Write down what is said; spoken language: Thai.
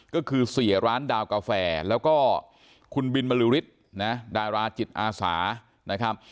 ก็คือเสียร้านดาวกาแฟแล้วก็คุณบินบริษฐ์นะดาราจิตอาสานะครับ